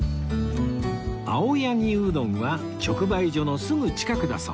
青柳うどんは直売所のすぐ近くだそう